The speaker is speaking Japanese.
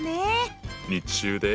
日中で。